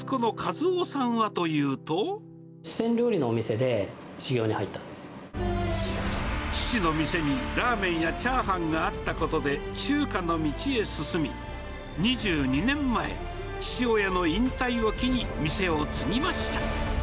一方、四川料理のお店で修業に入っ父の店にラーメンやチャーハンがあったことで中華の道へ進み、２２年前、父親の引退を機に店を継ぎました。